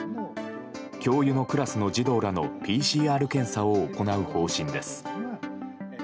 教諭のクラスの児童らのＰＣＲ検査を行う方針です。